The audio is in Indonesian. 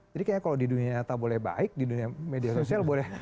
jadi kayaknya kalau di dunia nyata boleh baik di dunia media sosial boleh